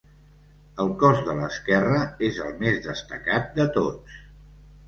El cos de l'esquerra és el més destacat de tots.